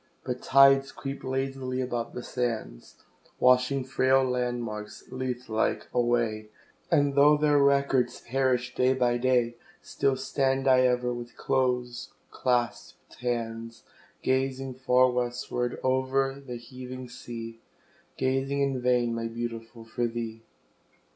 But tides creep lazily about the sands, Washing frail landmarks, Lethe like, away, And though their records perish day by day, Still stand I ever, with close claspèd hands, Gazing far westward o'er the heaving sea, Gazing in vain, my Beautiful, for thee.